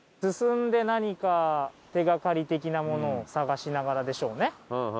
進んで何か手掛かり的なものを探しながらでしょうね。